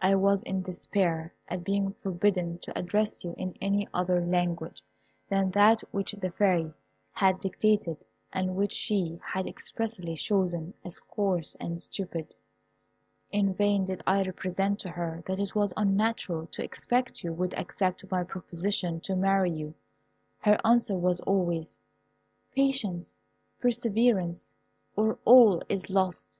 I was in despair at being forbidden to address you in any other language than that which the Fairy had dictated, and which she had expressly chosen as coarse and stupid. In vain did I represent to her it was unnatural to expect you would accept my proposition to marry you. Her answer was always, "Patience, perseverance, or all is lost."